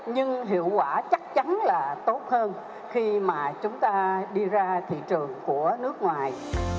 nhưng hiệu quả chắc chắn là tốt hơn khi mà chúng ta đi ra thị trường của nước ngoài